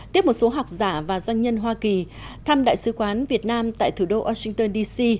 tiếp một số học giả và doanh nhân hoa kỳ thăm đại sứ quán việt nam tại thủ đô washington d c